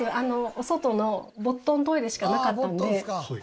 お外のぼっとんトイレしかなかったので。